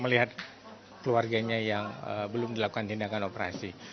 melihat keluarganya yang belum dilakukan tindakan operasi